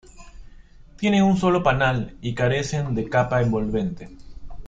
Tienen un solo panal y carecen de capa envolvente.